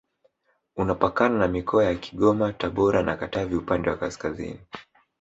Unapakana na mikoa ya Kigoma Tabora na Katavi upande wa kaskazini